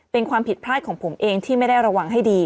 เป็นความผิดพลาดของผมเองที่ไม่ได้ระวังให้ดี